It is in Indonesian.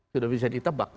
sudah bisa ditebak